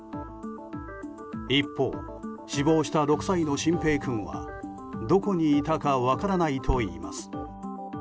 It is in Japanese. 一方、死亡した６歳の慎平君はどこにいたか分からないといいます。